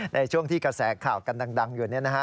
ในช่วงที่กระแสข่าวกันดังอยู่